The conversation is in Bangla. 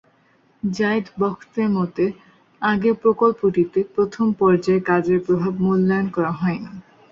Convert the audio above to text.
জায়েদ বখ্ত-এর মতে, আগের প্রকল্পটিতে প্রথম পর্যায়ের কাজের প্রভাব মূল্যায়ন করা হয়নি।